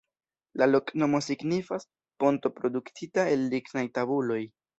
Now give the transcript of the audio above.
La loknomo signifas: "ponto produktita el lignaj tabuloj".